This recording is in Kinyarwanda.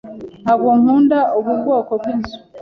Ntabwo nkunda ubu bwoko bw'inzu.